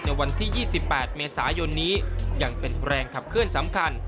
ในวันที่๒๘เมษายนนี้ยังเป็นแรงขับเคลื่อนสำคัญ